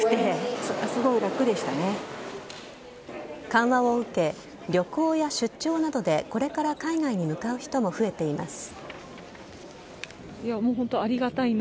緩和を受け旅行や出張などでこれから海外に向かう人も増えています。